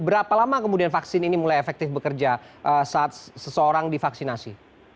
berapa lama kemudian vaksin ini mulai efektif bekerja saat seseorang divaksinasi